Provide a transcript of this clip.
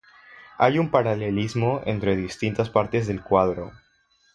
Hay un paralelismo entre distintas partes del cuadro.